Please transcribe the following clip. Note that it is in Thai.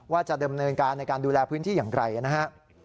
ว่าจะดำเนินการในการดูแลพื้นที่อย่างไรนะฮะ